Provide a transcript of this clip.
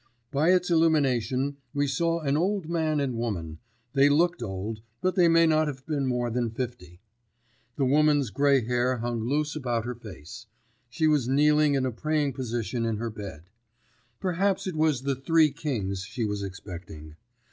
By its illumination we saw an old man and woman—they looked old, but they may not have been more than fifty. The woman's gray hair hung loose about her face; she was kneeling in a praying position in her bed. Perhaps it was the Three Kings she was expecting.